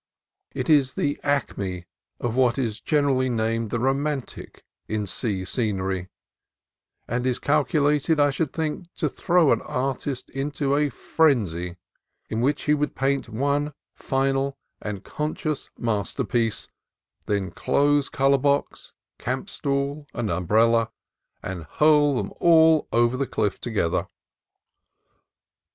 It is the acme of what is generally named the romantic in sea scenery, and is calculated, I should think, to throw an artist into a frenzy in which he would paint one final and conscious master piece, then close color box, camp stool, and umbrella, and hurl them all over the cliff together.